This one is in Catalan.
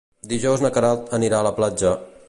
Dijous na Queralt anirà a la platja.